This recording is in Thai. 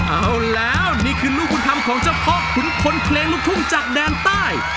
เอาแล้วนะนี่คือนี่คือลูกบุญธรรมของเจ้าพ่อขุนคนเพลงลูกทุ่งจากดาลใต้